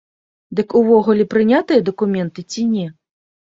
Дык увогуле прынятыя дакументы ці не?